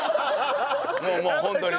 もうもうホントに。